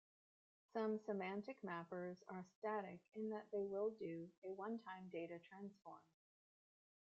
Some semantic mappers are static in that they will do a one-time data transforms.